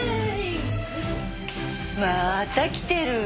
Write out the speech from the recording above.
また来てる。